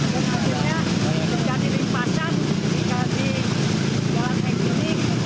kemudian akhirnya jadi rimpasan di jalan hek kramatjati